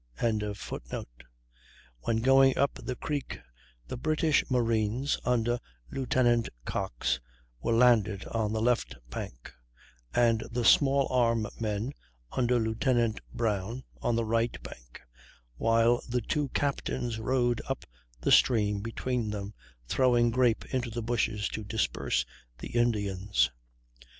] When going up the creek the British marines, under Lieutenant Cox, were landed on the left bank, and the small arm men, under Lieutenant Brown, on the right bank; while the two captains rowed up the stream between them, throwing grape into the bushes to disperse the Indians.